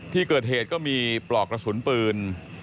ที่เกิดเหตุก็มีปลอกกระสุนปืน